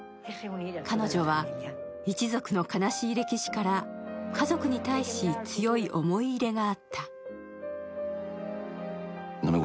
彼女は一族の悲しい歴史から家族に対し、強い思い入れがあった。